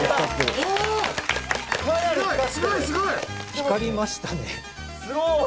光りましたね。